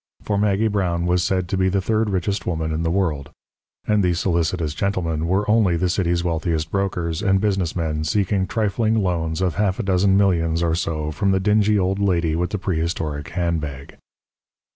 For Maggie Brown was said to be the third richest woman in the world; and these solicitous gentlemen were only the city's wealthiest brokers and business men seeking trifling loans of half a dozen millions or so from the dingy old lady with the prehistoric handbag.